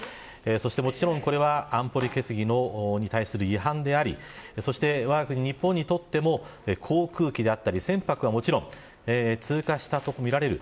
そして、もちろんこれは安保理決議に対する違反でありそして、わが国、日本にとっても航空機であったり船舶はもちろん通過したとみられる。